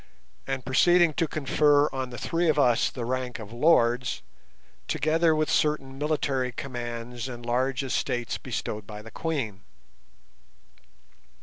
and proceeding to confer on the three of us the rank of "lords", together with certain military commands and large estates bestowed by the Queen.